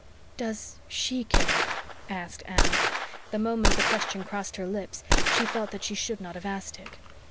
"Does SHE care?" asked Anne. The moment the question crossed her lips she felt that she should not have asked it.